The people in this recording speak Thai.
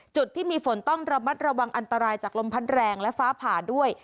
จุดที่มีฝนต้องระมัดระวังอันตรายจากลมพัดแรงและฟ้าผ่าด้วย